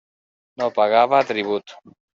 No pagava tribut.